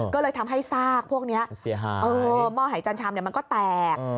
ก็เลยทำให้ซากพวกนี้หม้อหายจันชำมันก็แตก